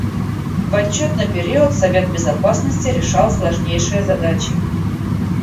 В отчетный период Совет Безопасности решал сложнейшие задачи.